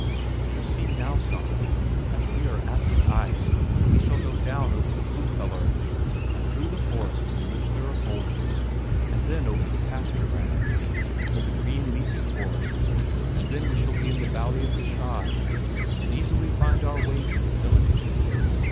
Do you see now, Sanna, as we are at the ice we shall go down over the blue color, and through the forests in which are the boulders, and then over the pasture land, and through the green leafy forests, and then we shall be in the valley of Gschaid and easily find our way to the village."